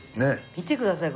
見てください